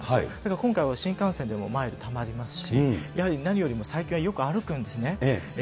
今回は新幹線でもマイルたまりますし、やはり何よりも最近はよく歩くんですね。